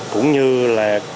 cũng như là